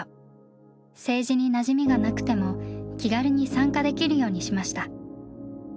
政治になじみがなくても気軽に参加できるようにしました。